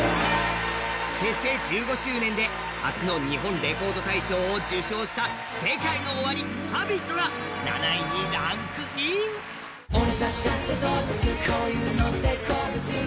結成１５周年で初の日本レコード大賞を受賞したＳＥＫＡＩＮＯＯＷＡＲＩ、「Ｈａｂｉｔ」が７位にランクイン。